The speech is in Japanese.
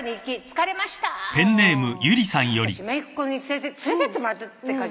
「」いや私めいっ子に連れてってもらったって感じ。